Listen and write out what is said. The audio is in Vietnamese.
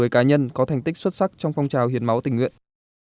một mươi cá nhân có thành tích xuất sắc trong phong trào hiến máu tình nguyện